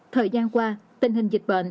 thời gian qua tình hình dịch bệnh